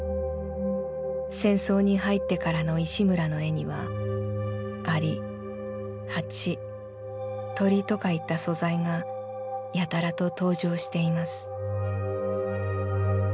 戦争に入ってからの石村の絵には蟻蜂鳥とかいった素材がやたらと登場しています」。